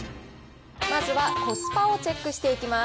まずはコスパをチェックしていきます。